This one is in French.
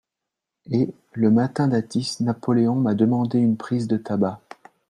Et, le matin d'Athis, Napoleon m'a demande une prise de tabac.